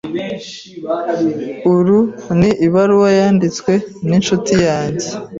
Uru ni ibaruwa yanditswe ninshuti yanjye.